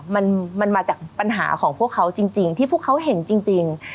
มันมาจากปัญหาของพวกเขาจริงที่พวกเขาเห็นจริง